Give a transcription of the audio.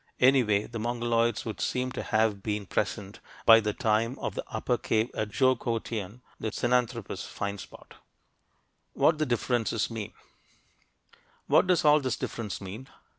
Anyway, the Mongoloids would seem to have been present by the time of the "Upper Cave" at Choukoutien, the Sinanthropus find spot. WHAT THE DIFFERENCES MEAN What does all this difference mean?